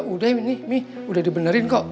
udah ini nih udah dibenerin kok